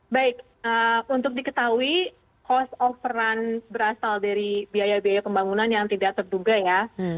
baik untuk diketahui cost of run berasal dari biaya biaya pembangunan yang tidak terduga ya